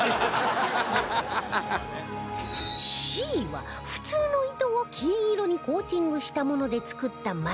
Ｃ は普通の糸を金色にコーティングしたもので作ったマスク